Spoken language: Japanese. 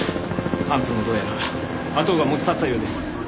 アンプルもどうやら阿藤が持ち去ったようです。